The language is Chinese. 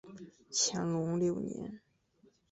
乾隆六年。